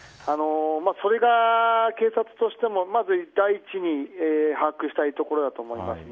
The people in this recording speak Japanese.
それが警察としてもまず第一に把握したいところだと思います。